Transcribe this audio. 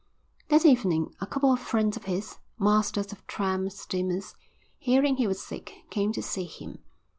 That evening a couple of friends of his, masters of tramp steamers, hearing he was sick came to see him.